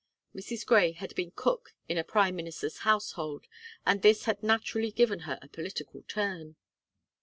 Mrs. Gray had been cook in a Prime Minister's household, and this had naturally given her a political turn.